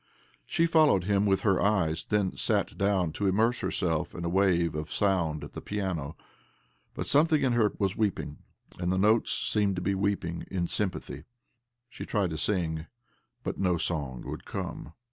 She followed him with her eyes — then sat down to immerse herself in a wave of sound at the piano. But something in her was weeping, and the notes seemed to be weeping in sympathy. She tried to sing, but no song would come.